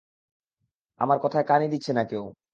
আমার কথায় কানই দিচ্ছে না কেউ!